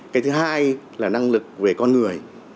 cái thứ hai là năng lực về con người